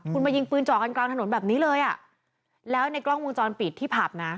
คุณมายิงปืนจ่อกันกลางถนนแบบนี้เลยอ่ะแล้วในกล้องวงจรปิดที่ผับนะ